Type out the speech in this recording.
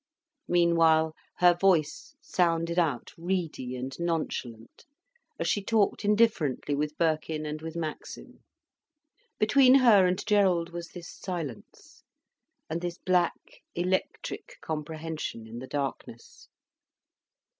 Meanwhile her voice sounded out reedy and nonchalant, as she talked indifferently with Birkin and with Maxim. Between her and Gerald was this silence and this black, electric comprehension in the darkness.